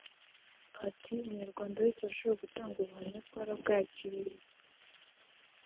ati ʺUmunyarwanda wese washoboye gutanga ubuhamya twarabwakiriye